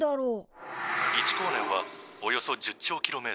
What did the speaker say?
「１光年はおよそ１０兆ｋｍ。